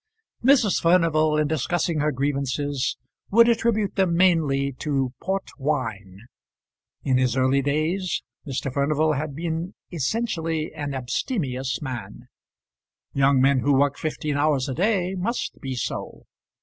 Mrs. Furnival in discussing her grievances would attribute them mainly to port wine. In his early days Mr. Furnival had been essentially an abstemious man. Young men who work fifteen hours a day must be so.